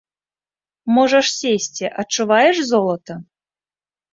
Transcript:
Можаш сесці, адчуваеш золата?